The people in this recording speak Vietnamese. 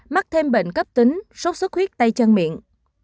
một mươi mắc thêm bệnh cấp tính sốt sốt huyết tay chân miệng